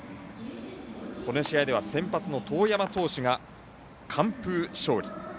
この試合では先発の當山投手が完封勝利。